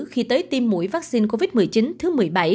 khi tới tiêm mũi vaccine covid một mươi chín thứ một mươi bảy